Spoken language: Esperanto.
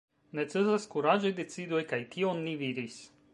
Necesas kuraĝaj decidoj, kaj tion ni vidis.